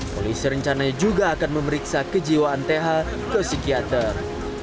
polisi rencananya juga akan memeriksa kejiwaan th ke psikiater